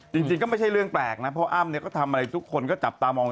จริงก็ไม่ใช่เรื่องแปลกนะเพราะอ้ำเนี่ยก็ทำอะไรทุกคนก็จับตามอง